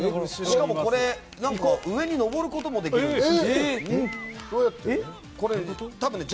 しかもこれ上に上ることもできるんです。